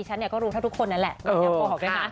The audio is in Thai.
ดิฉันก็รู้ให้ทุกคนนั้นแหละไม่อยากโกหกเลยค่ะ